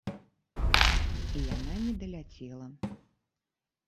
І яна не даляцела.